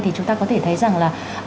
thì chúng ta có thể thấy rằng là